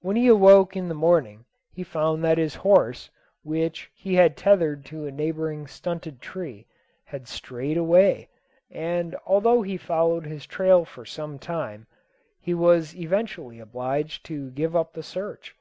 When he awoke in the morning, he found that his horse, which he had tethered to a neighbouring stunted tree, had strayed away, and although he followed his trail for some time, he was eventually obliged to give up the search.